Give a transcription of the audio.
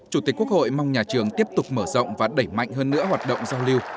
chủ tịch quốc hội mong nhà trường tiếp tục mở rộng và đẩy mạnh hơn nữa hoạt động giao lưu